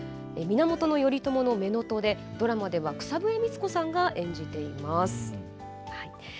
源頼朝のめのとでドラマでは草笛光子さんが演じています。